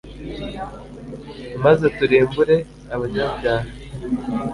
maze turimbure abanyabyaha